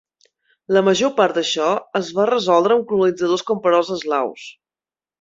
La major part d'això es va resoldre amb colonitzadors camperols eslaus.